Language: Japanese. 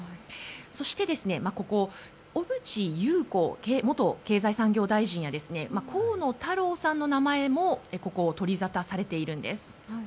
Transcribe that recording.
そして小渕優子元経済産業大臣や河野太郎さんの名前も取りざたされているんです。